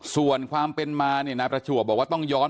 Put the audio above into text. ส่วนความเป็นมาเนี่ยนายประจวบบอกว่าต้องย้อน